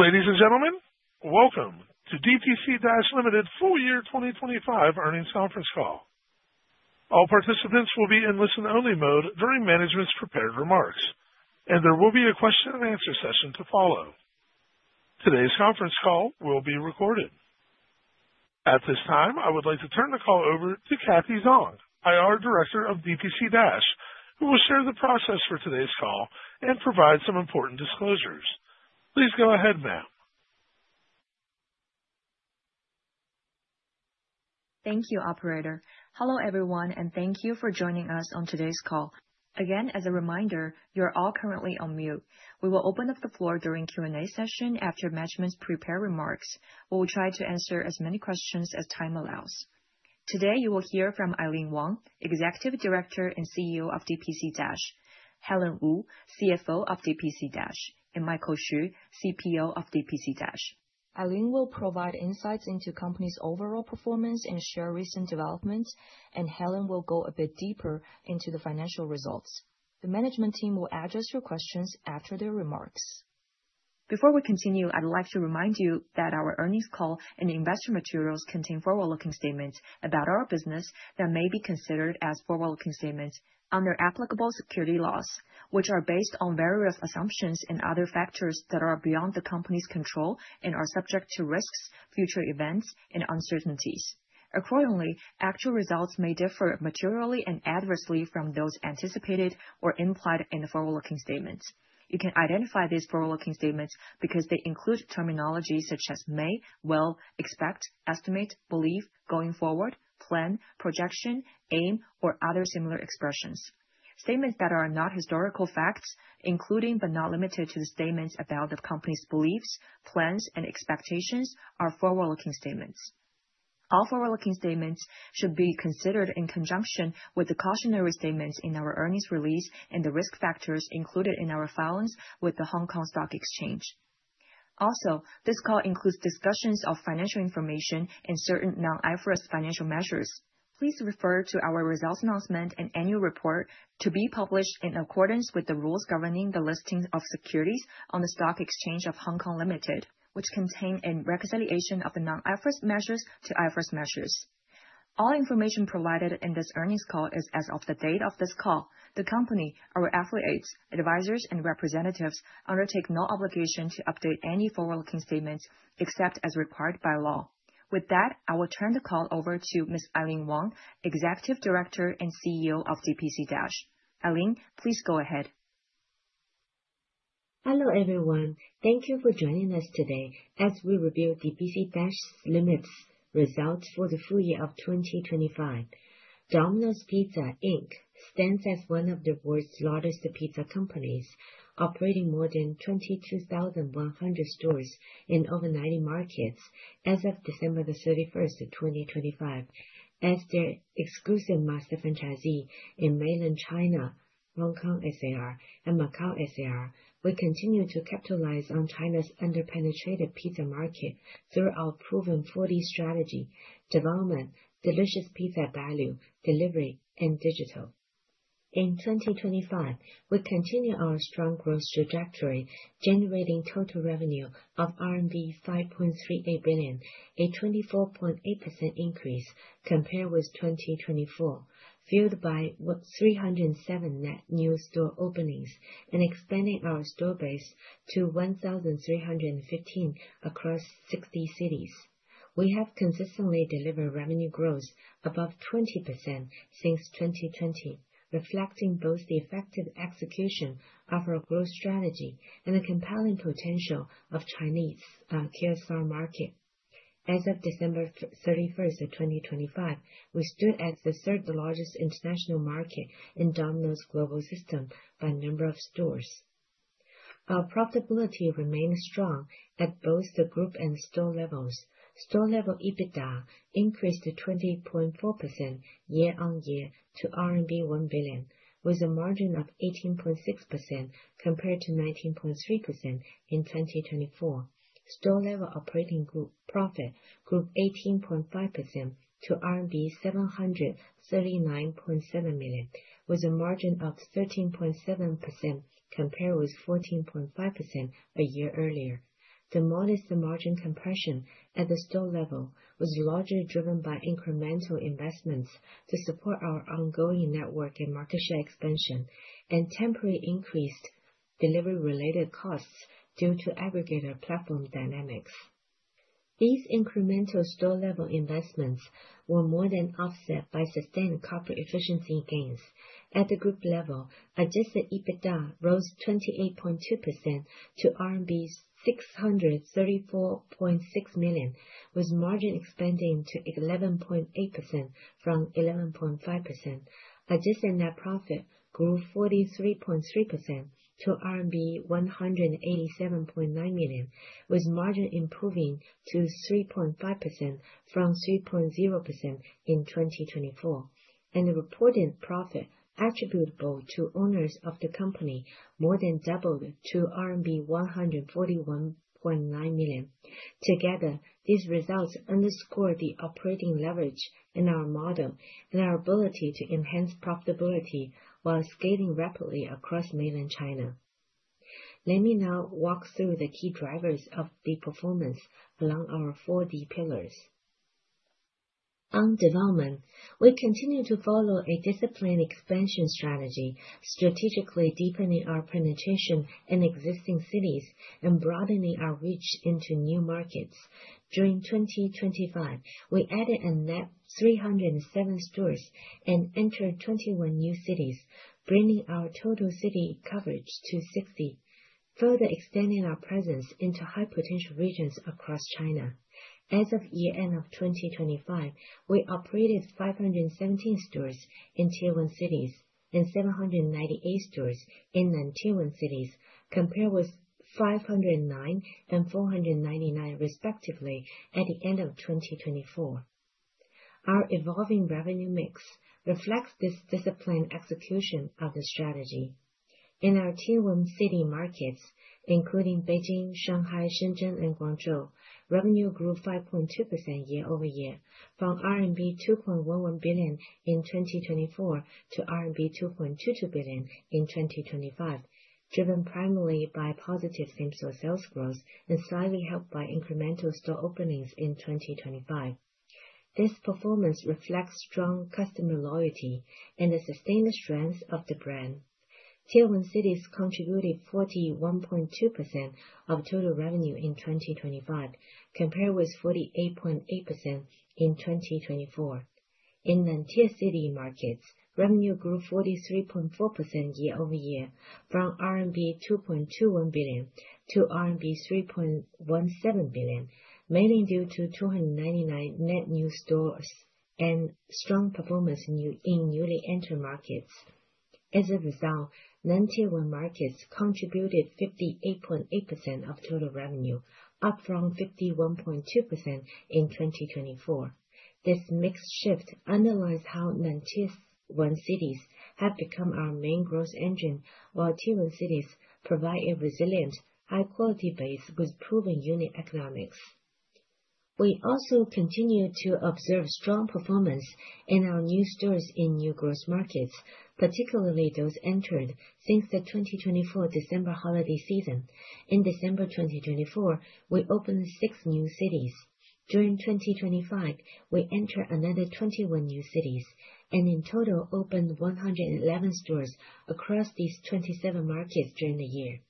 Ladies and gentlemen, welcome to DPC Dash Limited Full Year 2025 Earnings Conference Call. All participants will be in listen-only mode during management's prepared remarks, and there will be a question and answer session to follow. Today's conference call will be recorded. At this time, I would like to turn the call over to Cathy Zhang, IR Director of DPC Dash, who will share the process for today's call and provide some important disclosures. Please go ahead, ma'am. Thank you, operator. Hello, everyone, and thank you for joining us on today's call. Again, as a reminder, you're all currently on mute. We will open up the floor during Q&A session after management's prepared remarks. We will try to answer as many questions as time allows. Today, you will hear from Aileen Wang, Executive Director and CEO of DPC Dash, Helen Wu, CFO of DPC Dash, and Michael Xu, CPO of DPC Dash. Aileen will provide insights into company's overall performance and share recent developments, and Helen will go a bit deeper into the financial results. The management team will address your questions after their remarks. Before we continue, I'd like to remind you that our earnings call and investor materials contain forward-looking statements about our business that may be considered as forward-looking statements under applicable securities laws, which are based on various assumptions and other factors that are beyond the company's control and are subject to risks, future events and uncertainties. Accordingly, actual results may differ materially and adversely from those anticipated or implied in the forward-looking statements. You can identify these forward-looking statements because they include terminology such as may, will, expect, estimate, believe, going forward, plan, projection, aim, or other similar expressions. Statements that are not historical facts, including but not limited to the statements about the company's beliefs, plans and expectations are forward-looking statements. All forward-looking statements should be considered in conjunction with the cautionary statements in our earnings release and the risk factors included in our filings with the Hong Kong Stock Exchange. Also, this call includes discussions of financial information and certain non-IFRS financial measures. Please refer to our results announcement and annual report to be published in accordance with the rules governing the listings of securities on the Stock Exchange of Hong Kong Limited, which contain a reconciliation of the non-IFRS measures to IFRS measures. All information provided in this earnings call is as of the date of this call. The company, our affiliates, advisors and representatives undertake no obligation to update any forward-looking statements except as required by law. With that, I will turn the call over to Ms. Aileen Wang, Executive Director and CEO of DPC Dash. Aileen, please go ahead. Hello, everyone. Thank you for joining us today as we review DPC Dash Ltd's results for the full year of 2025. Domino's Pizza, Inc. stands as one of the world's largest pizza companies, operating more than 22,100 stores in over 90 markets as of December 31st, 2025. As their exclusive master franchisee in mainland China, Hong Kong SAR, and Macau SAR, we continue to capitalize on China's under-penetrated pizza market through our proven 4D strategy development, delicious pizza value, delivery and digital. In 2025, we continue our strong growth trajectory, generating total revenue of RMB 5.38 billion, a 24.8% increase compared with 2024, fueled by with 307 net new store openings and expanding our store base to 1,315 across 60 cities. We have consistently delivered revenue growth above 20% since 2020, reflecting both the effective execution of our growth strategy and the compelling potential of Chinese QSR market. As of December 31st, 2025, we stood as the third-largest international market in Domino's global system by number of stores. Our profitability remained strong at both the group and store levels. Store level EBITDA increased to 20.4% year-on-year to RMB 1 billion, with a margin of 18.6% compared to 19.3% in 2024. Store level operating profit grew 18.5% to RMB 739.7 million, with a margin of 13.7% compared with 14.5% a year earlier. The modest margin compression at the store level was largely driven by incremental investments to support our ongoing network and market share expansion and temporary increased delivery-related costs due to aggregator platform dynamics. These incremental store-level investments were more than offset by sustained corporate efficiency gains. At the group level, adjusted EBITDA rose 28.2% to RMB 634.6 million, with margin expanding to 11.8% from 11.5%. Adjusted net profit grew 43.3% to RMB 187.9 million, with margin improving to 3.5% from 3.0% in 2024. The reported profit attributable to owners of the company more than doubled to RMB 141.9 million. Together, these results underscore the operating leverage in our model and our ability to enhance profitability while scaling rapidly across mainland China. Let me now walk through the key drivers of the performance along our four D pillars. On development, we continue to follow a disciplined expansion strategy, strategically deepening our penetration in existing cities and broadening our reach into new markets. During 2025, we added a net 307 stores and entered 21 new cities, bringing our total city coverage to 60, further extending our presence into high-potential regions across China. As of year-end of 2025, we operated 517 stores in Tier 1 cities and 798 stores in non-Tier 1 cities, compared with 509 and 499 respectively at the end of 2024. Our evolving revenue mix reflects this disciplined execution of the strategy. In our Tier 1 city markets, including Beijing, Shanghai, Shenzhen, and Guangzhou, revenue grew 5.2% year-over-year from RMB 2.11 billion in 2024 to RMB 2.22 billion in 2025, driven primarily by positive same-store sales growth and slightly helped by incremental store openings in 2025. This performance reflects strong customer loyalty and the sustained strength of the brand. Tier 1 cities contributed 41.2% of total revenue in 2025 compared with 48.8% in 2024. In non-Tier 1 city markets, revenue grew 43.4% year-over-year from RMB 2.21 billion to RMB 3.17 billion, mainly due to 299 net new stores and strong performance in newly entered markets. As a result, non-Tier 1 markets contributed 58.8% of total revenue, up from 51.2% in 2024. This mix shift underlies how non-Tier 1 cities have become our main growth engine, while Tier 1 cities provide a resilient, high-quality base with proven unit economics. We also continue to observe strong performance in our new stores in new growth markets, particularly those entered since the 2024 December holiday season. In December 2024, we opened six new cities. During 2025, we entered another 21 new cities and in total opened 111 stores across these 27 markets during the year.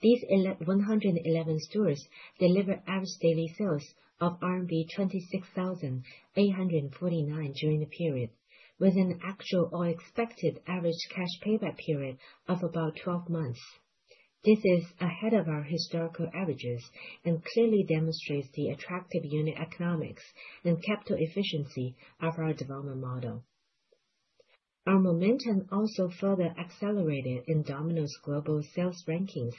These 111 stores delivered average daily sales of RMB 26,849 during the period, with an actual or expected average cash payback period of about 12 months. This is ahead of our historical averages and clearly demonstrates the attractive unit economics and capital efficiency of our development model. Our momentum also further accelerated in Domino's global sales rankings.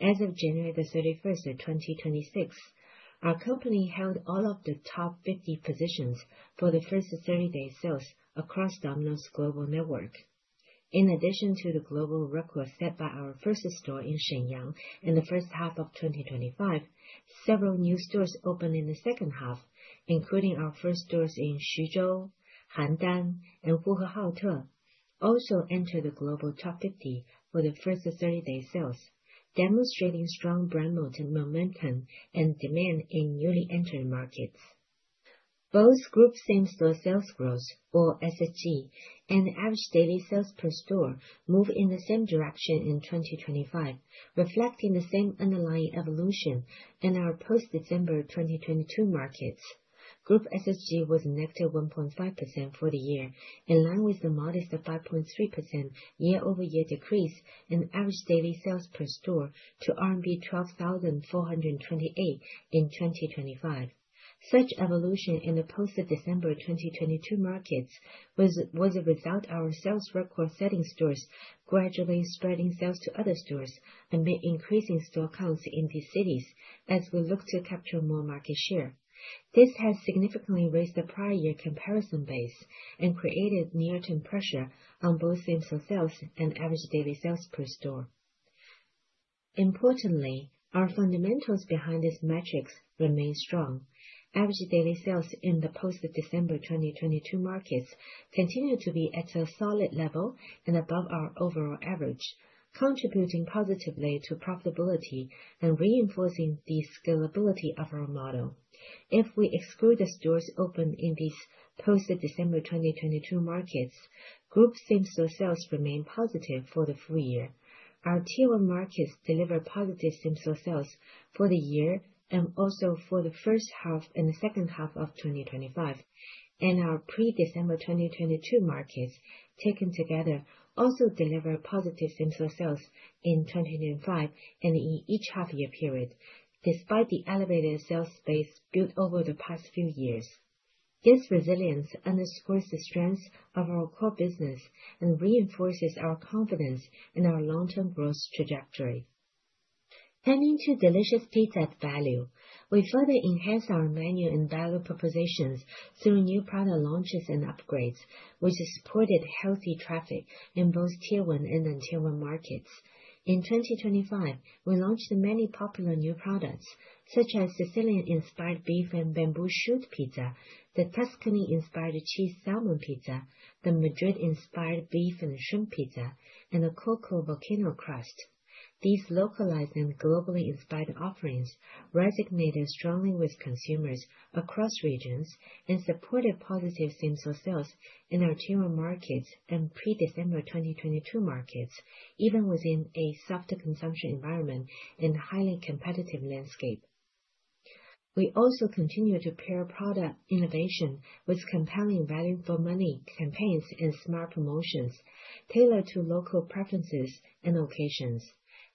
As of January 31st, 2026, our company held all of the top 50 positions for the first 30-day sales across Domino's global network. In addition to the global record set by our first store in Shenyang in the first half of 2025, several new stores opened in the second half, including our first stores in Xuzhou, Handan, and Hohhot, also entered the global top 50 for the first 30-day sales, demonstrating strong brand momentum and demand in newly entered markets. Both group same-store sales growth, or SSG, and average daily sales per store moved in the same direction in 2025, reflecting the same underlying evolution in our post-December 2022 markets. Group SSG was -1.5% for the year, in line with the modest 5.3% year-over-year decrease in average daily sales per store to RMB 12,428 in 2025. Such evolution in the post-December 2022 markets was a result of our sales record-setting stores gradually spreading sales to other stores amid increasing store counts in these cities as we look to capture more market share. This has significantly raised the prior year comparison base and created near-term pressure on both same-store sales and average daily sales per store. Importantly, our fundamentals behind these metrics remain strong. Average daily sales in the post-December 2022 markets continue to be at a solid level and above our overall average, contributing positively to profitability and reinforcing the scalability of our model. If we exclude the stores opened in these post-December 2022 markets, group same-store sales remain positive for the full year. Our Tier 1 markets deliver positive same-store sales for the year, and also for the first half and the second half of 2025. Our pre-December 2022 markets, taken together, also deliver positive same-store sales in 2025 and in each half-year period, despite the elevated sales base built over the past few years. This resilience underscores the strength of our core business and reinforces our confidence in our long-term growth trajectory. Turning to delicious pizza at value. We further enhanced our menu and value propositions through new product launches and upgrades, which has supported healthy traffic in both Tier 1 and non-Tier 1 markets. In 2025, we launched many popular new products, such as Sicilian-inspired beef and bamboo shoot pizza, the Tuscany-Inspired Cheese Salmon Pizza, the Madrid-Inspired Beef and Shrimp Pizza, and a Cocoa Volcano Crust. These localized and globally inspired offerings resonated strongly with consumers across regions and supported positive same-store sales in our Tier 1 markets and pre-December 2022 markets, even within a softer consumption environment and highly competitive landscape. We also continue to pair product innovation with compelling value for money campaigns and smart promotions tailored to local preferences and locations.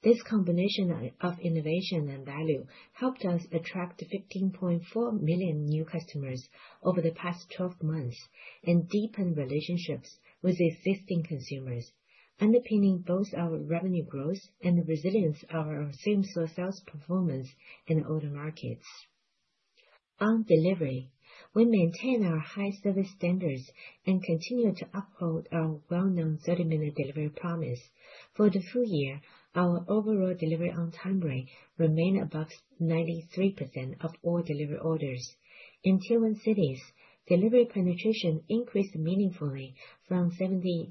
This combination of innovation and value helped us attract 15.4 million new customers over the past 12 months, and deepen relationships with existing consumers, underpinning both our revenue growth and the resilience of our same-store sales performance in the older markets. On delivery, we maintain our high service standards and continue to uphold our well-known 30-minute promise. For the full year, our overall delivery on time rate remained above 93% of all delivery orders. In Tier 1 cities, delivery penetration increased meaningfully from 70.7%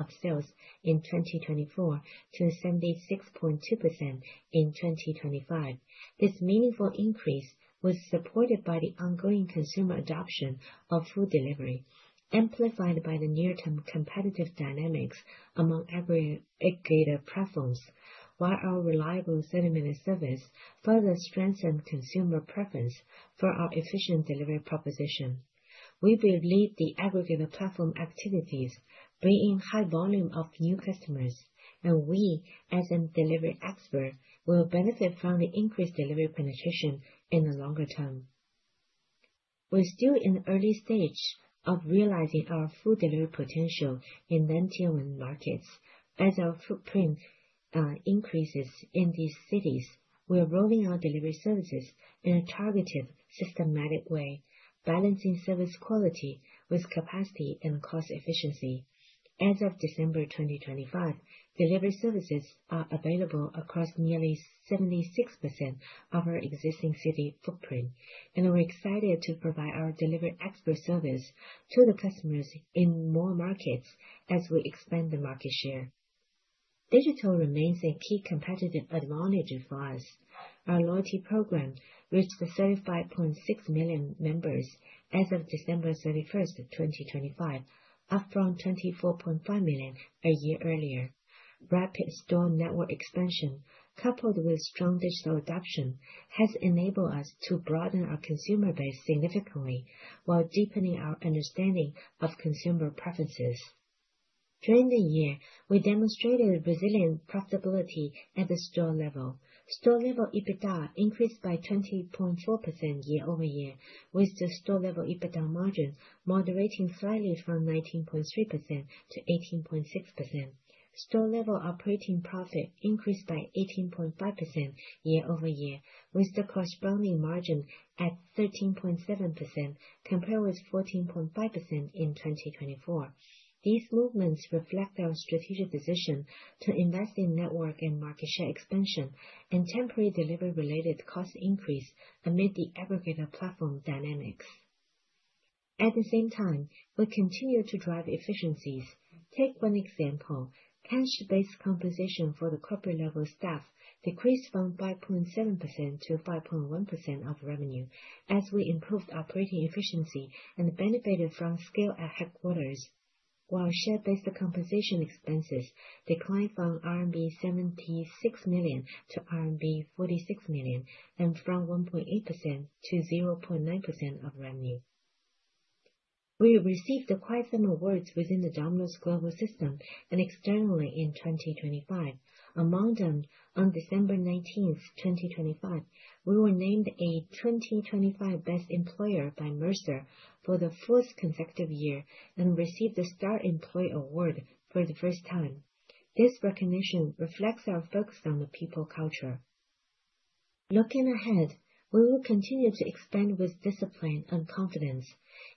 of sales in 2024 to 76.2% in 2025. This meaningful increase was supported by the ongoing consumer adoption of food delivery, amplified by the near-term competitive dynamics among aggregator platforms, while our reliable 30-minute service further strengthened consumer preference for our efficient delivery proposition. We believe the aggregator platform activities bring in high volume of new customers, and we, as a delivery expert, will benefit from the increased delivery penetration in the longer term. We're still in the early stage of realizing our food delivery potential in non-Tier 1 markets. As our footprint increases in these cities, we're growing our delivery services in a targeted, systematic way, balancing service quality with capacity and cost efficiency. As of December 2025, delivery services are available across nearly 76% of our existing city footprint, and we're excited to provide our delivery expert service to the customers in more markets as we expand the market share. Digital remains a key competitive advantage for us. Our loyalty program reached 35.6 million members as of December 31st, 2025, up from 24.5 million a year earlier. Rapid store network expansion, coupled with strong digital adoption, has enabled us to broaden our consumer base significantly while deepening our understanding of consumer preferences. During the year, we demonstrated resilient profitability at the store level. Store level EBITDA increased by 20.4% year-over-year, with the store level EBITDA margin moderating slightly from 19.3% to 18.6%. Store level operating profit increased by 18.5% year-over-year, with the corresponding margin at 13.7% compared with 14.5% in 2024. These movements reflect our strategic decision to invest in network and market share expansion and temporary delivery-related cost increase amid the aggregator platform dynamics. At the same time, we continue to drive efficiencies. Take one example. Cash-based compensation for the corporate level staff decreased from 5.7% to 5.1% of revenue as we improved operating efficiency and benefited from scale at headquarters. While share-based compensation expenses declined from RMB 76 million to RMB 46 million and from 1.8% to 0.9% of revenue. We received quite some awards within the Domino's global system and externally in 2025. Among them, on December 19th, 2025, we were named a 2025 Best Employer by Mercer for the fourth consecutive year and received the Star Employer award for the first time. This recognition reflects our focus on the people culture. Looking ahead, we will continue to expand with discipline and confidence.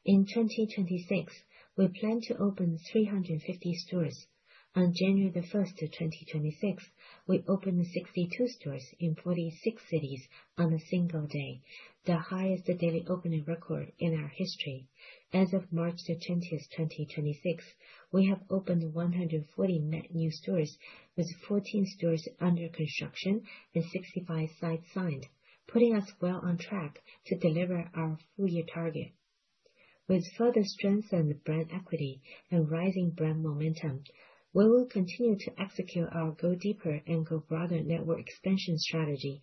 In 2026, we plan to open 350 stores. On January 1st of 2026, we opened 62 stores in 46 cities on a single day, the highest daily opening record in our history. As of March 20th, 2026, we have opened 140 net new stores with 14 stores under construction and 65 sites signed, putting us well on track to deliver our full year target. With further strengthened brand equity and rising brand momentum, we will continue to execute our go deeper and go broader network expansion strategy,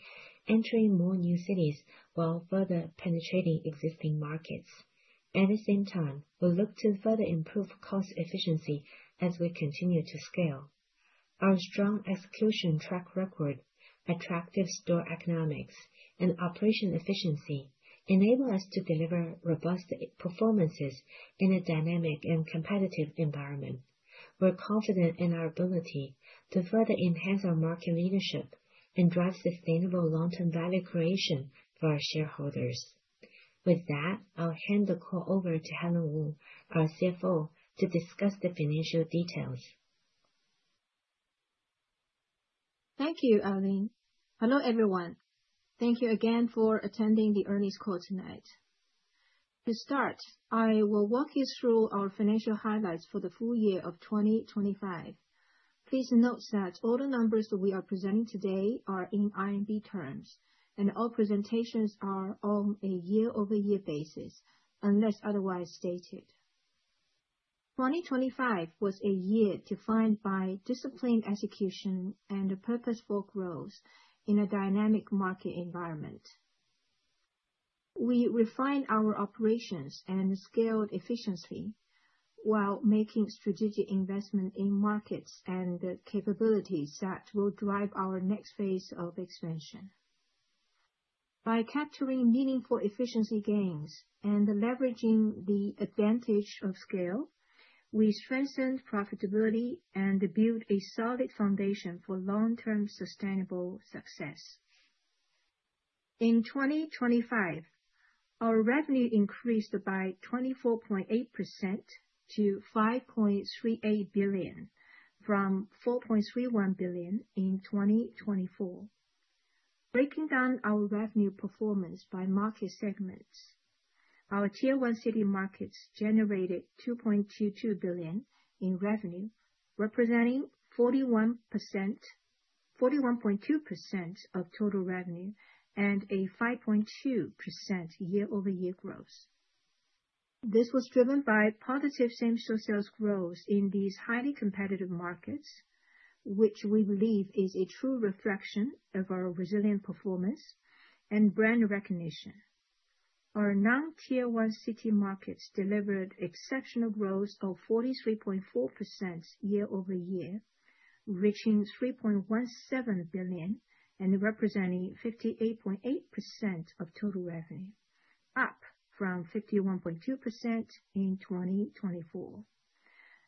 entering more new cities while further penetrating existing markets. At the same time, we look to further improve cost efficiency as we continue to scale. Our strong execution track record, attractive store economics, and operational efficiency enable us to deliver robust performances in a dynamic and competitive environment. We're confident in our ability to further enhance our market leadership and drive sustainable long-term value creation for our shareholders. With that, I'll hand the call over to Helen Wu, our CFO, to discuss the financial details. Thank you, Aileen. Hello, everyone. Thank you again for attending the earnings call tonight. To start, I will walk you through our financial highlights for the full year of 2025. Please note that all the numbers we are presenting today are in RMB terms, and all presentations are on a year-over-year basis, unless otherwise stated. 2025 was a year defined by disciplined execution and purposeful growth in a dynamic market environment. We refined our operations and scaled efficiently while making strategic investment in markets and the capabilities that will drive our next phase of expansion. By capturing meaningful efficiency gains and leveraging the advantage of scale, we strengthened profitability and built a solid foundation for long-term sustainable success. In 2025, our revenue increased by 24.8% to 5.38 billion, from 4.31 billion in 2024. Breaking down our revenue performance by market segments, our Tier 1 city markets generated 2.22 billion in revenue, representing 41.2% of total revenue and a 5.2% year-over-year growth. This was driven by positive same-store sales growth in these highly competitive markets, which we believe is a true reflection of our resilient performance and brand recognition. Our non-Tier 1 city markets delivered exceptional growth of 43.4% year-over-year, reaching 3.17 billion, and representing 58.8% of total revenue, up from 51.2% in 2024.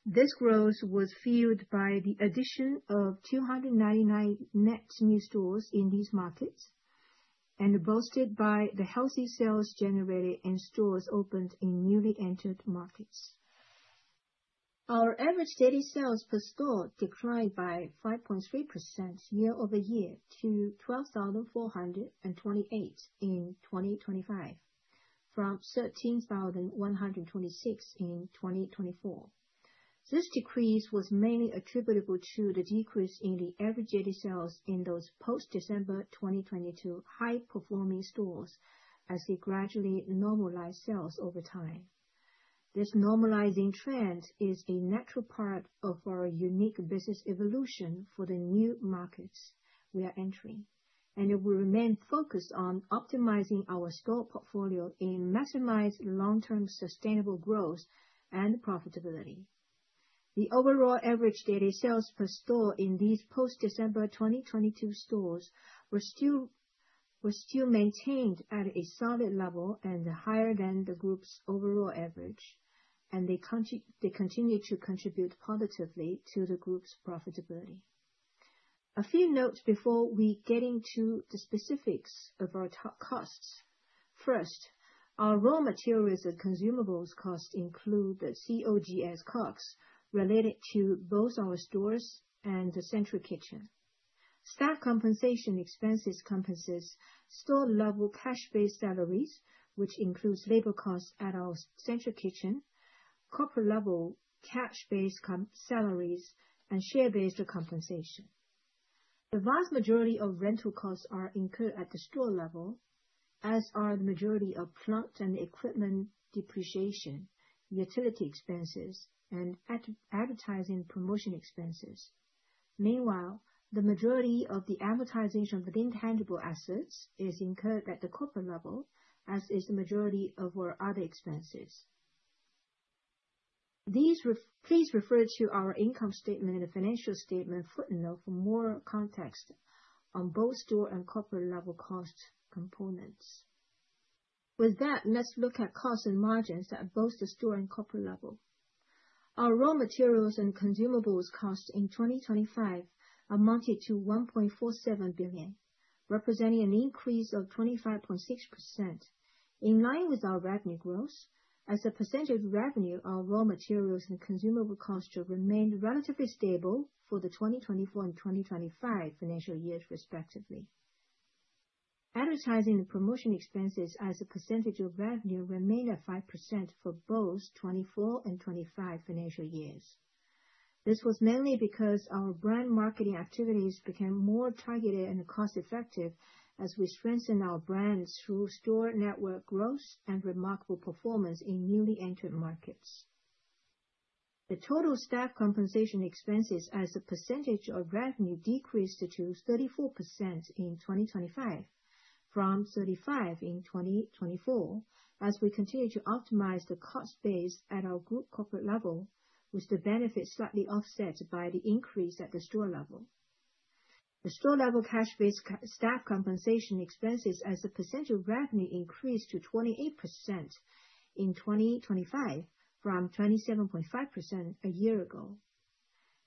This growth was fueled by the addition of 299 net new stores in these markets, and boosted by the healthy sales generated in stores opened in newly entered markets. Our average daily sales per store declined by 5.3% year-over-year to 12,428 in 2025, from 13,126 in 2024. This decrease was mainly attributable to the decrease in the average daily sales in those post-December 2022 high-performing stores as they gradually normalize sales over time. This normalizing trend is a natural part of our unique business evolution for the new markets we are entering, and we remain focused on optimizing our store portfolio and maximize long-term sustainable growth and profitability. The overall average daily sales per store in these post-December 2022 stores were still maintained at a solid level and higher than the group's overall average, and they continue to contribute positively to the group's profitability. A few notes before we get into the specifics of our top costs. First, our raw materials and consumables costs include the COGS costs related to both our stores and the central kitchen. Staff compensation expenses comprises store-level cash-based salaries, which includes labor costs at our central kitchen, corporate level cash-based salaries, and share-based compensation. The vast majority of rental costs are incurred at the store level, as are the majority of plant and equipment depreciation, utility expenses, and advertising promotion expenses. Meanwhile, the majority of the amortization of intangible assets is incurred at the corporate level, as is the majority of our other expenses. Please refer to our income statement in the financial statement footnote for more context on both store and corporate level cost components. With that, let's look at costs and margins at both the store and corporate level. Our raw materials and consumables costs in 2025 amounted to 1.47 billion, representing an increase of 25.6%. In line with our revenue growth, as a percentage of revenue, our raw materials and consumable costs remained relatively stable for the 2024 and 2025 financial years respectively. Advertising and promotion expenses as a percentage of revenue remained at 5% for both 2024 and 2025 financial years. This was mainly because our brand marketing activities became more targeted and cost-effective as we strengthened our brands through store network growth and remarkable performance in newly entered markets. The total staff compensation expenses as a percentage of revenue decreased to 34% in 2025 from 35% in 2024, as we continue to optimize the cost base at our group corporate level, with the benefit slightly offset by the increase at the store level. The store level cash-based staff compensation expenses as a percentage of revenue increased to 28% in 2025 from 27.5% a year ago.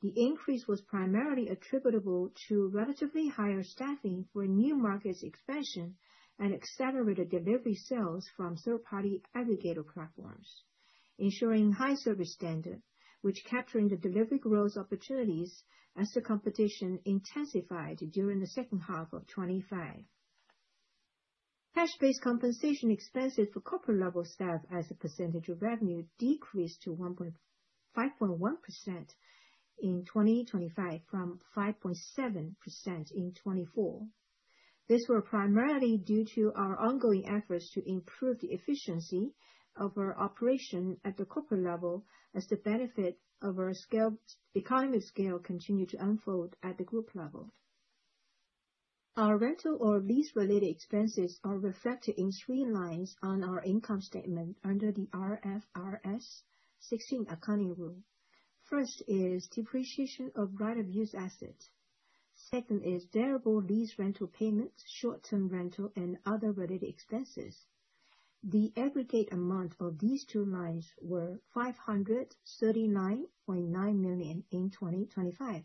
The increase was primarily attributable to relatively higher staffing for new markets expansion and accelerated delivery sales from third-party aggregator platforms, ensuring high service standard, which capturing the delivery growth opportunities as the competition intensified during the second half of 2025. Cash-based compensation expenses for corporate level staff as a percentage of revenue decreased to 5.1% in 2025 from 5.7% in 2024. These were primarily due to our ongoing efforts to improve the efficiency of our operation at the corporate level as the benefit of our scale, economies of scale continue to unfold at the group level. Our rental or lease-related expenses are reflected in three lines on our income statement under the IFRS 16 accounting rule. First is depreciation of right-of-use assets. Second is variable lease rental payments, short-term rental, and other related expenses. The aggregate amount of these two lines were 539.9 million in 2025,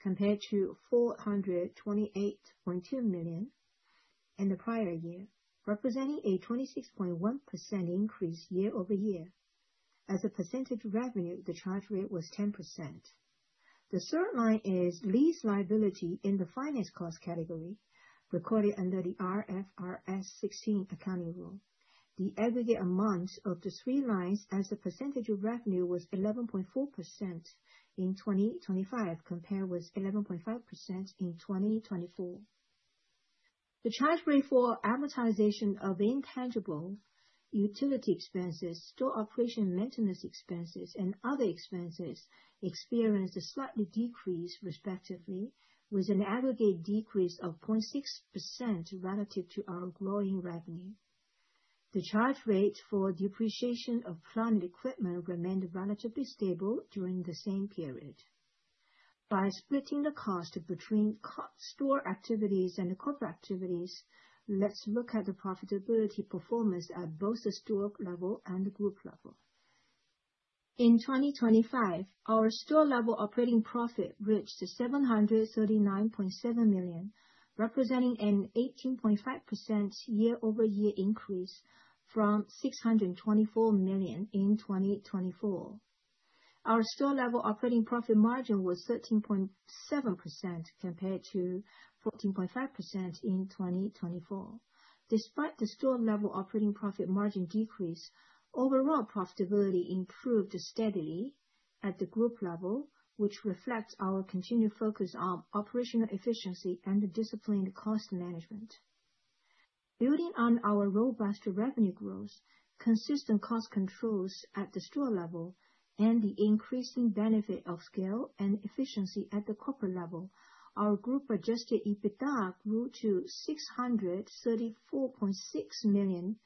compared to 428.2 million in the prior year, representing a 26.1% increase year-over-year. As a percentage of revenue, the charge rate was 10%. The third line is lease liability in the finance cost category recorded under the IFRS 16 accounting rule. The aggregate amount of the three lines as a percentage of revenue was 11.4% in 2025, compared with 11.5% in 2024. The charge rate for amortization of intangible utility expenses, store operation maintenance expenses, and other expenses experienced a slight decrease respectively, with an aggregate decrease of 0.6% relative to our growing revenue. The charge rate for depreciation of plant equipment remained relatively stable during the same period. By splitting the cost between store activities and the corporate activities, let's look at the profitability performance at both the store level and the group level. In 2025, our store level operating profit reached 739.7 million, representing an 18.5% year-over-year increase from 624 million in 2024. Our store level operating profit margin was 13.7% compared to 14.5% in 2024. Despite the store level operating profit margin decrease, overall profitability improved steadily at the group level, which reflects our continued focus on operational efficiency and disciplined cost management. Building on our robust revenue growth, consistent cost controls at the store level, and the increasing benefit of scale and efficiency at the corporate level, our group adjusted EBITDA grew to 634.6 million.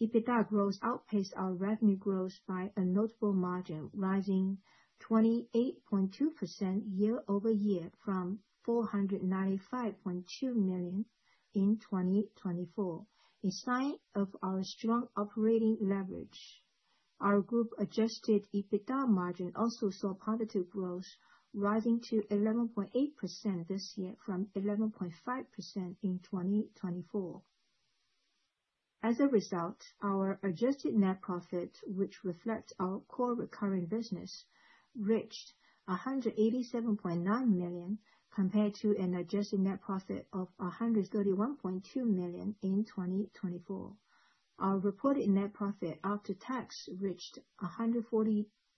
EBITDA growth outpaced our revenue growth by a notable margin, rising 28.2% year-over-year from RMB 495.2 million in 2024, a sign of our strong operating leverage. Our group adjusted EBITDA margin also saw positive growth, rising to 11.8% this year from 11.5% in 2024. As a result, our adjusted net profit, which reflects our core recurring business, reached 187.9 million, compared to an adjusted net profit of 131.2 million in 2024. Our reported net profit after tax reached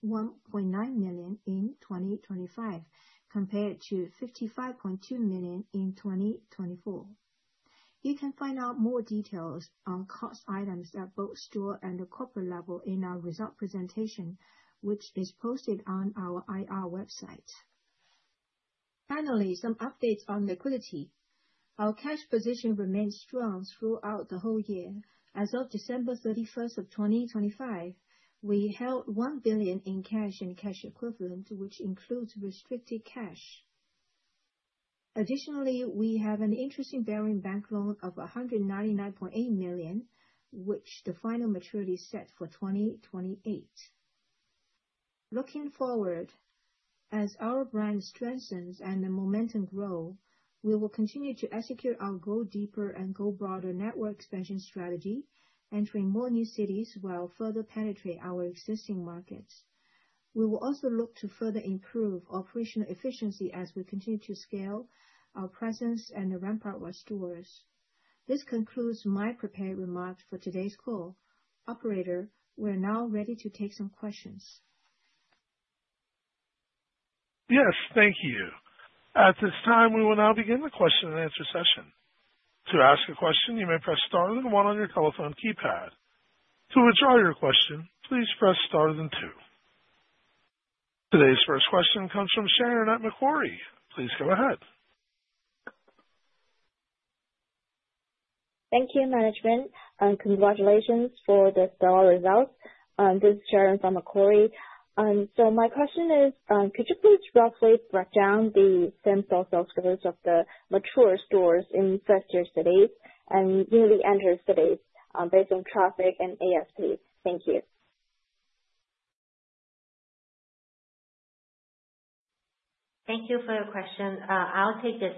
141.9 million in 2025, compared to 55.2 million in 2024. You can find out more details on cost items at both store and the corporate level in our result presentation, which is posted on our IR website. Finally, some updates on liquidity. Our cash position remained strong throughout the whole year. As of December 31st, 2025, we held 1 billion in cash and cash equivalents, which includes restricted cash. Additionally, we have an interest-bearing bank loan of 199.8 million, which the final maturity is set for 2028. Looking forward, as our brand strengthens and the momentum grow, we will continue to execute our go deeper and go broader network expansion strategy, entering more new cities while further penetrate our existing markets. We will also look to further improve operational efficiency as we continue to scale our presence and ramp up our stores. This concludes my prepared remarks for today's call. Operator, we're now ready to take some questions. Yes. Thank you. At this time, we will now begin the question and answer session. To ask a question, you may press star then one on your telephone keypad. To withdraw your question, please press star then two. Today's first question comes from Sharon at Macquarie. Please go ahead. Thank you management, and congratulations for the stellar results. This is Sharon from Macquarie. My question is, could you please roughly break down the same-store sales growth of the mature stores in Tier 1 cities and newly entered cities, based on traffic and ASP? Thank you. Thank you for your question. I'll take this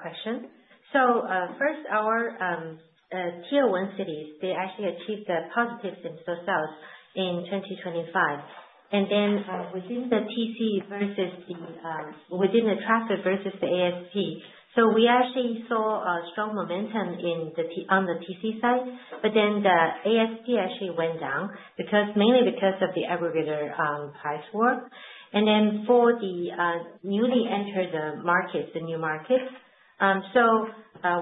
question. In the first half, Tier 1 cities actually achieved positive same-store sales in 2025. Within the traffic versus the ASP, we actually saw strong momentum in the TC side, but the ASP actually went down because mainly because of the aggregator price war. For the newly entered markets,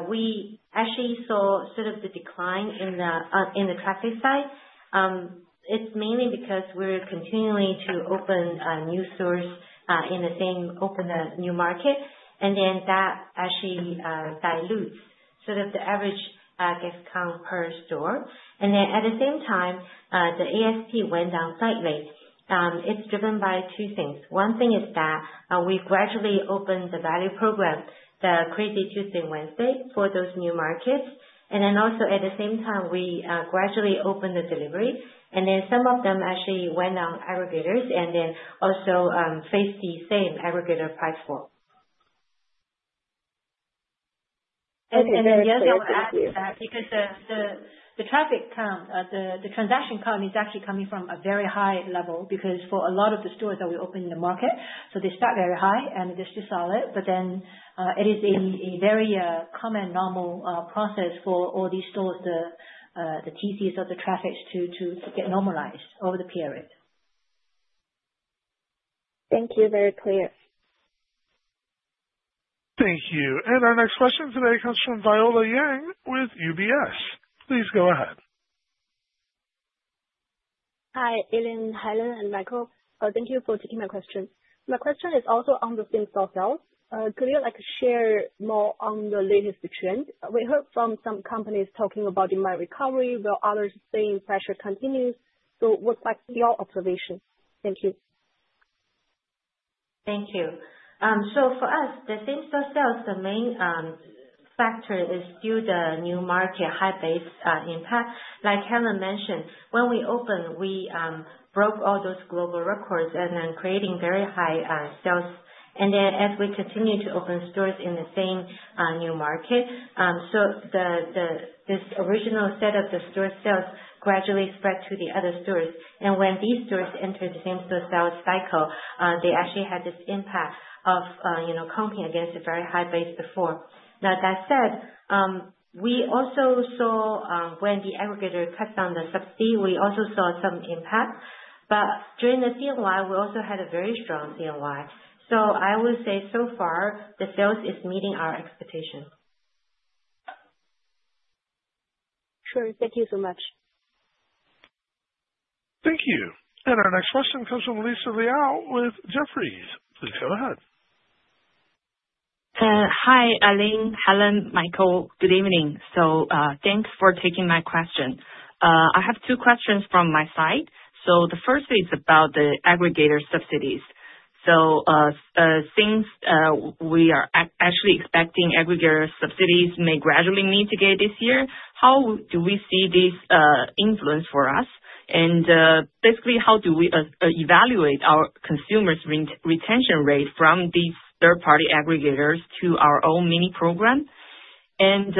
we actually saw sort of the decline in the traffic side. It's mainly because we're continuing to open new stores in the same new market. That actually dilutes sort of the average guest count per store. At the same time, the ASP went down slightly. It's driven by two things. One thing is that we gradually opened the value program, the Crazy Tuesday & Wednesday, for those new markets. Also at the same time, we gradually opened the delivery, and then some of them actually went on aggregators and then also faced the same aggregator price war. Okay, very clear. Thank you. I will add to that, because the traffic count, the transaction count is actually coming from a very high level because for a lot of the stores that we open in the market, so they start very high and it is still solid. It is a very common normal process for all these stores, the TCs of the traffic to get normalized over the period. Thank you. Very clear. Thank you. Our next question today comes from Viola Yang with UBS. Please go ahead. Hi, Aileen, Helen, and Michael. Thank you for taking my question. My question is also on the same-store sales. Could you, like, share more on the latest trends? We heard from some companies talking about demand recovery, while others are saying pressure continues. Would like to hear your observations. Thank you. Thank you. For us, the same-store sales, the main factor is due to new market, high base impact. Like Helen mentioned, when we opened, we broke all those global records and then creating very high sales. As we continue to open stores in the same new market, this original set of store sales gradually spread to the other stores. When these stores entered the same-store sales cycle, they actually had this impact of you know, competing against a very high base before. Now, that said, we also saw when the aggregator cut down the subsidy, we also saw some impact. During the CNY, we also had a very strong CNY. I would say so far the sales is meeting our expectations. Sure. Thank you so much. Thank you. Our next question comes from Lisa Liao with Jefferies. Please go ahead. Hi, Aileen, Helen, Michael. Good evening. Thanks for taking my question. I have two questions from my side. The first is about the aggregator subsidies. Since we are actually expecting aggregator subsidies may gradually mitigate this year, how do we see this influence for us? And basically how do we evaluate our consumers retention rate from these third-party aggregators to our own mini program? And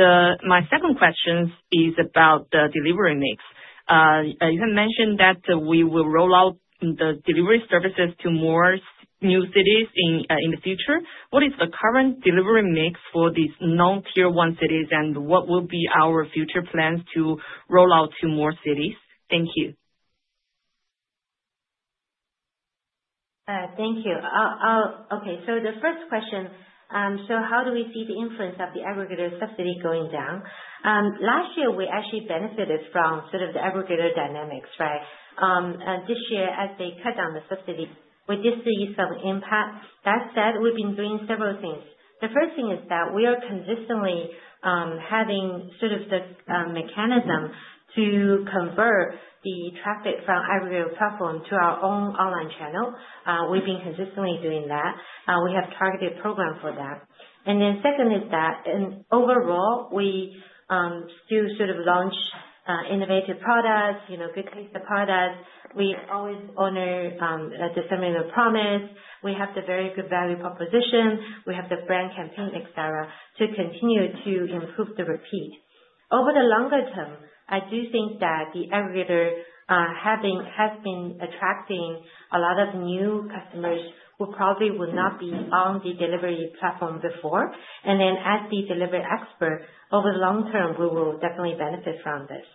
my second question is about the delivery mix. Helen mentioned that we will roll out the delivery services to more new cities in the future. What is the current delivery mix for these non-Tier 1 cities, and what will be our future plans to roll out to more cities? Thank you. Thank you. Okay, the first question, how do we see the influence of the aggregator subsidy going down? Last year we actually benefited from sort of the aggregator dynamics, right? This year as they cut down the subsidy, we did see some impact. That said, we've been doing several things. The first thing is that we are consistently having sort of the mechanism to convert the traffic from aggregator platform to our own online channel. We've been consistently doing that. We have targeted program for that. Second is that overall we still sort of launch innovative products, you know, good-tasting products. We always honor the 30-minute promise. We have the very good value proposition. We have the brand campaign, et cetera, to continue to improve the repeat. Over the longer term, I do think that the aggregator has been attracting a lot of new customers who probably would not be on the delivery platform before. As the delivery expert, over the long term, we will definitely benefit from this.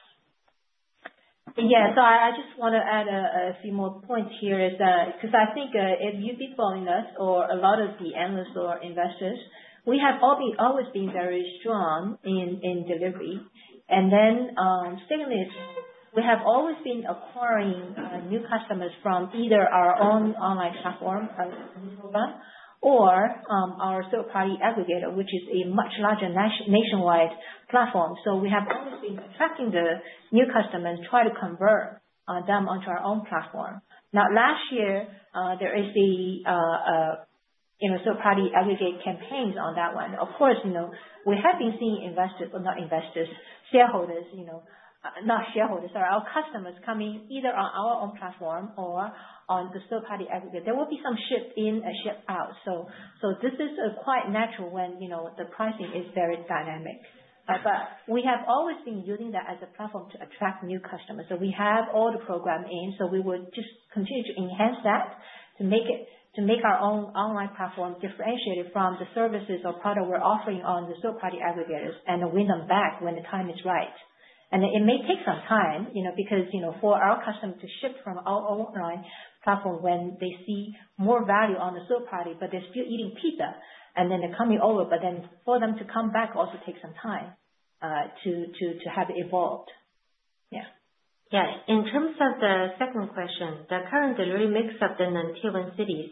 Yeah. I just wanna add a few more points here is that, 'cause I think, if you've been following us or a lot of the analysts or investors, we have always been very strong in delivery. Certainly we have always been acquiring new customers from either our own online platform, our program, or our third-party aggregator, which is a much larger nationwide platform. We have always been attracting the new customers, try to convert them onto our own platform. Now, last year, there is the you know third-party aggregator campaigns on that one. Of course, you know, we have been seeing investors, or not investors, shareholders, you know, not shareholders. Sorry, our customers coming either on our own platform or on the third-party aggregator. There will be some shift in and shift out. This is quite natural when, you know, the pricing is very dynamic. We have always been using that as a platform to attract new customers. We have all the program in, we would just continue to enhance that, to make our own online platform differentiated from the services or product we're offering on the third-party aggregators, and win them back when the time is right. It may take some time, you know, because, you know, for our customers to shift from our own online platform when they see more value on the third-party, but they're still eating pizza, and then they're coming over, but then for them to come back also takes some time, to have evolved. Yeah. Yeah. In terms of the second question, the current delivery mix of the non-Tier 1 cities.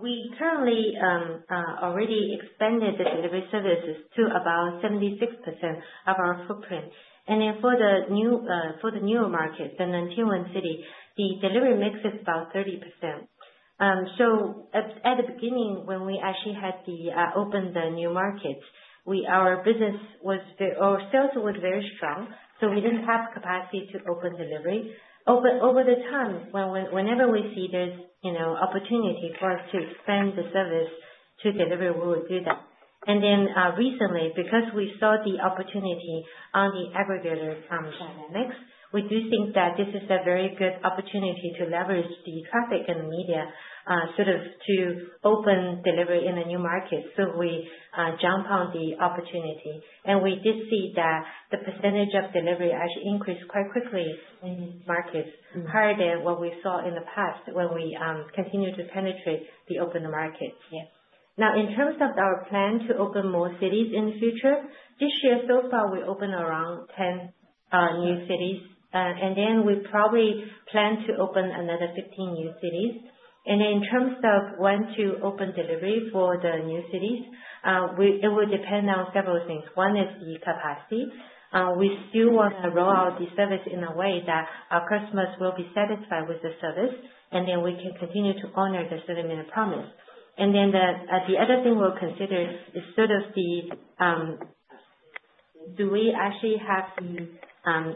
We currently already expanded the delivery services to about 76% of our footprint. For the newer markets, the non-Tier 1 city, the delivery mix is about 30%. At the beginning, when we actually opened the new markets, our business was very strong, so we didn't have capacity to open delivery. Over time, whenever we see this, you know, opportunity for us to expand the service to delivery, we would do that. Recently, because we saw the opportunity on the aggregator dynamics, we do think that this is a very good opportunity to leverage the traffic and the media sort of to open delivery in the new markets. We jump on the opportunity. We did see that the percentage of delivery actually increased quite quickly in markets compared to what we saw in the past when we continued to penetrate the open markets. Now, in terms of our plan to open more cities in the future, this year so far, we opened around 10 new cities. We probably plan to open another 15 new cities. In terms of when to open delivery for the new cities, it will depend on several things. One is the capacity. We still wanna roll out the service in a way that our customers will be satisfied with the service, and then we can continue to honor the 30-minute promise. The other thing we'll consider is sort of, do we actually have the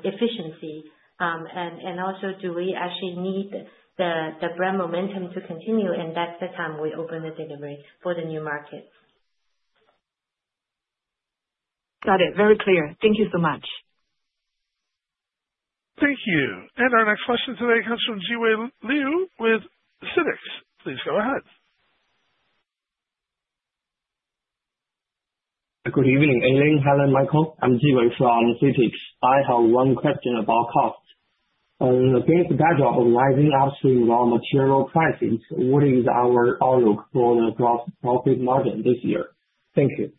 efficiency? Do we actually need the brand momentum to continue? That's the time we open the delivery for the new markets. Got it. Very clear. Thank you so much. Thank you. Our next question today comes from Jiwei Liu with CITIC. Please go ahead. Good evening, Aileen, Helen, Michael. I'm Jiwei from CITIC Securities. I have one question about cost. Given the backdrop of rising upstream raw material prices, what is our outlook for the gross profit margin this year? Thank you.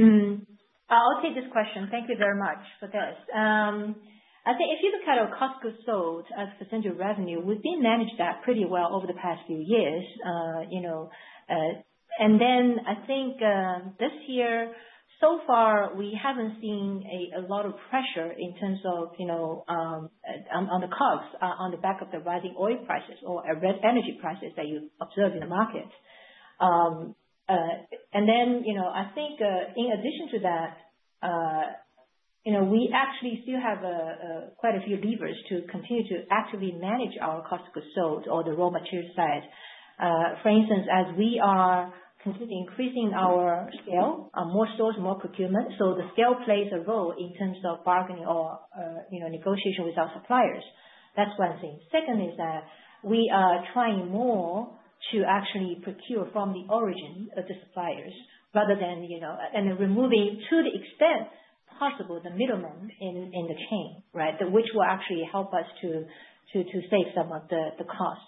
I'll take this question. Thank you very much for this. I think if you look at our cost of goods sold as a percentage of revenue, we've been managed that pretty well over the past few years, you know. I think this year, so far, we haven't seen a lot of pressure in terms of, you know, on the costs, on the back of the rising oil prices or energy prices that you observe in the market. I think in addition to that, you know, we actually still have quite a few levers to continue to actively manage our cost of goods sold or the raw material side. For instance, as we are continuously increasing our scale, more stores, more procurement. The scale plays a role in terms of bargaining or, you know, negotiation with our suppliers. That's one thing. Second is that we are trying more to actually procure from the origin of the suppliers rather than, you know, removing to the extent possible the middleman in the chain, right? Which will actually help us to save some of the cost.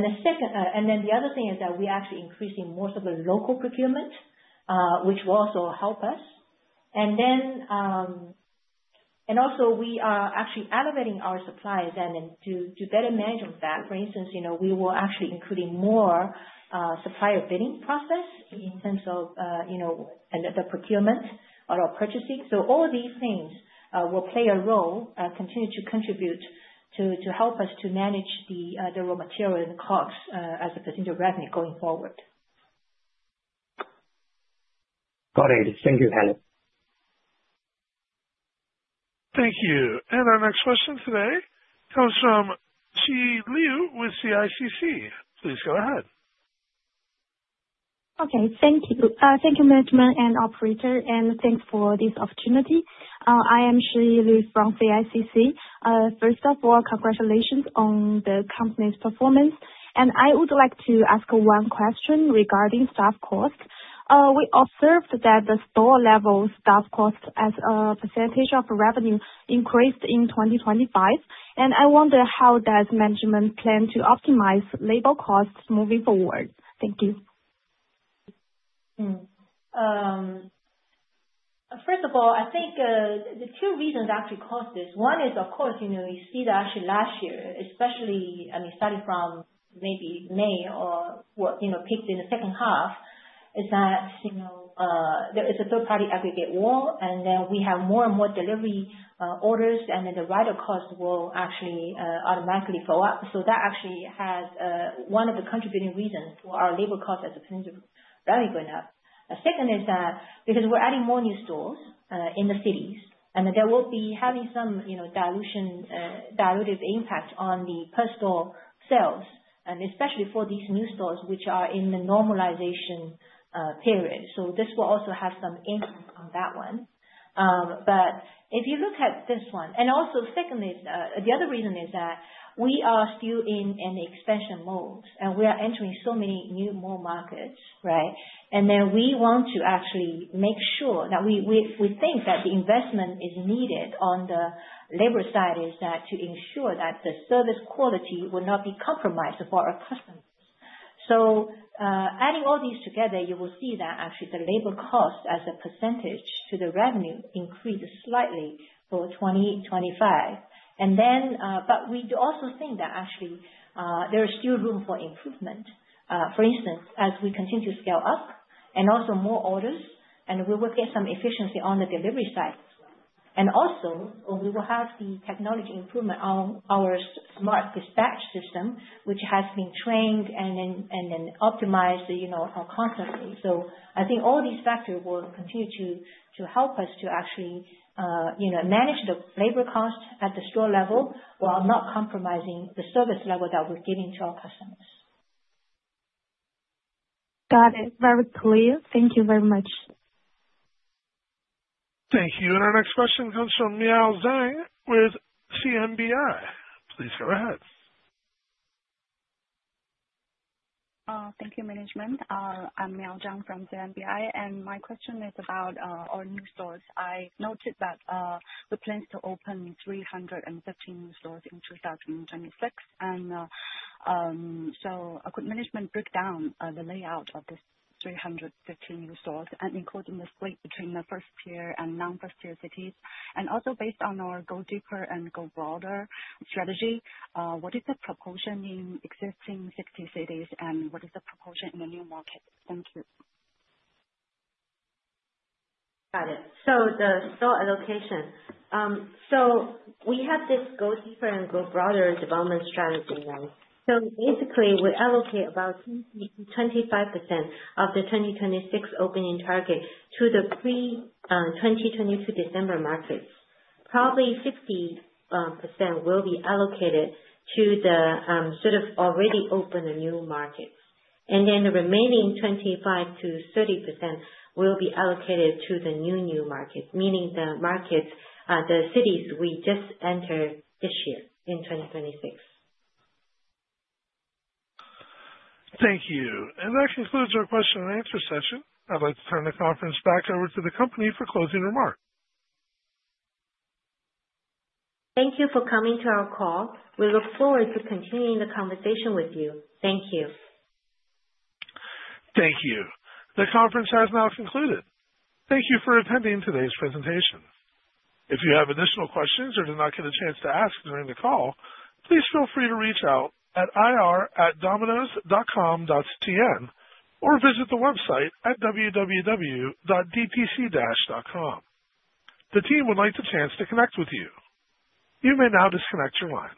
The second, and then the other thing is that we're actually increasing more of the local procurement, which will also help us. Also we are actually elevating our suppliers and to better manage with that. For instance, you know, we will actually including more supplier bidding process in terms of, you know, the procurement or our purchasing. All these things will play a role, continue to contribute to help us to manage the raw material and the costs, as a percentage of revenue going forward. Got it. Thank you, Helen. Thank you. Our next question today comes from Shi Liu with CICC. Please go ahead. Okay. Thank you. Thank you, management and operator, and thanks for this opportunity. I am Shi Liu from CICC. First of all, congratulations on the company's performance. I would like to ask one question regarding staff cost. We observed that the store level staff cost as a percentage of revenue increased in 2025, and I wonder how does management plan to optimize labor costs moving forward? Thank you. First of all, I think, the two reasons actually caused this. One is, of course, you know, you see that actually last year, especially, I mean, starting from maybe May or what, you know, peaked in the second half, is that, you know, there is a third-party aggregator, and then we have more and more delivery orders, and then the rider cost will actually automatically go up. So that actually has one of the contributing reasons to our labor cost as a percentage of revenue going up. Second is that because we're adding more new stores in the cities, and there will be having some, you know, dilution, dilutive impact on the per-store sales, and especially for these new stores, which are in the normalization period. So this will also have some impact on that one. If you look at this one. Also, secondly, the other reason is that we are still in an expansion mode, and we are entering so many new, more markets, right? We want to actually make sure that we think that the investment is needed on the labor side to ensure that the service quality will not be compromised for our customers. Adding all these together, you will see that actually the labor cost as a percentage to the revenue increases slightly for 2025. We do also think that actually there is still room for improvement. For instance, as we continue to scale up and also more orders, and we will get some efficiency on the delivery side as well. We will have the technology improvement on our smart dispatch system, which has been trained and then optimized, you know, constantly. I think all these factors will continue to help us to actually, you know, manage the labor cost at the store level while not compromising the service level that we're giving to our customers. Got it. Very clear. Thank you very much. Thank you. Our next question comes from Miao Zhang with CMBI. Please go ahead. Thank you, management. I'm Miao Zhang from CMBI, and my question is about our new stores. I noted that the plans to open 313 new stores in 2026. Could management break down the layout of this 313 new stores and including the split between Tier 1 and non-Tier 1 cities? Based on our go deeper and go broader strategy, what is the proportion in existing city, cities, and what is the proportion in the new market? Thank you. Got it. The store allocation. We have this Go Deeper and Go Broader development strategy now. Basically, we allocate about 25% of the 2026 opening target to the pre-2022 December markets. Probably 50% will be allocated to the sort of already opened new markets. The remaining 25%-30% will be allocated to the new markets, meaning the markets, the cities we just entered this year in 2026. Thank you. That concludes our question and answer session. I'd like to turn the conference back over to the company for closing remarks. Thank you for coming to our call. We look forward to continuing the conversation with you. Thank you. Thank you. The conference has now concluded. Thank you for attending today's presentation. If you have additional questions or did not get a chance to ask during the call, please feel free to reach out at ir@dominos.com.cn or visit the website at www.dpcdash.com. The team would like the chance to connect with you. You may now disconnect your line.